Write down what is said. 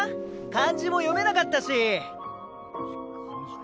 漢字も読めなかったし。